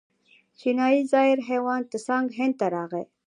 چینایي زایر هیوان تسانګ هند ته راغی.